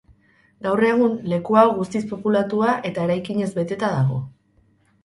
Gaur egun leku hau guztiz populatua eta eraikinez beteta dago.